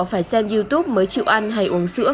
phải xem youtube mới chịu ăn hay uống sữa